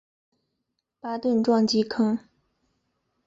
巴顿撞击坑